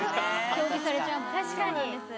確かに。